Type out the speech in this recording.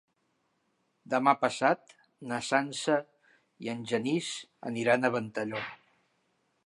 Demà passat na Sança i en Genís aniran a Ventalló.